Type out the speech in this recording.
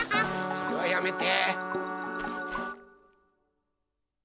それはやめて。